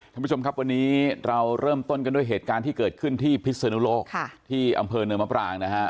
ท่านผู้ชมครับวันนี้เราเริ่มต้นกันด้วยเหตุการณ์ที่เกิดขึ้นที่พิศนุโลกที่อำเภอเนินมะปรางนะฮะ